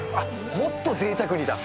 もっとぜいたくにだ。